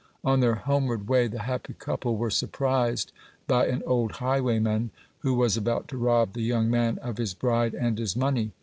On their homeward way the happy couple were surprised by an old highwayman, who was about to rob the young man of his bride and his money.